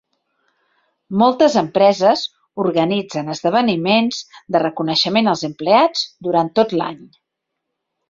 Moltes empreses organitzen esdeveniments de reconeixement als empleats durant tot l'any.